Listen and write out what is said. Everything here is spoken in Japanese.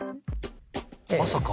まさか。